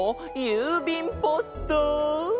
ゆうびんポスト。